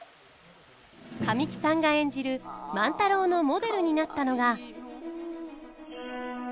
神木さんが演じる万太郎のモデルになったのが。